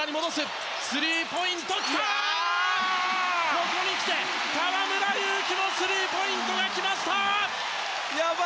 ここに来て河村勇輝のスリーポイントが来ました！